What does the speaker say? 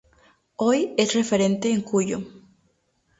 Hoy es referente en Cuyo.